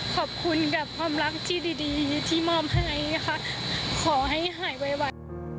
ขอบคุณกับความรักที่ดีที่มอบให้ค่ะขอให้หายไว